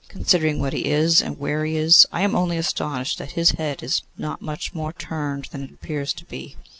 Considering what he is, and where he is, I am only astonished that his head is not more turned than it appears to be.